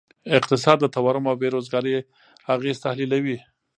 اقتصاد د تورم او بیروزګارۍ اغیز تحلیلوي.